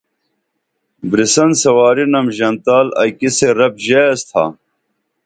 بریسن سواری نم ژنتال اکی سے رب ژا ایس تھا